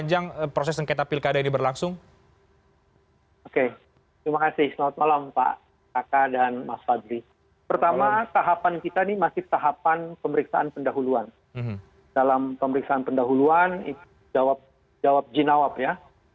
dari pemohon mengajukan permohonannya